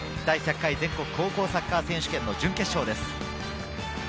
第１００回全国高校サッカー選手権の準決勝です。